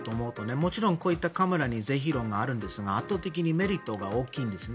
もちろん、こういったカメラに是非論があるんですが圧倒的にメリットが大きいんですね。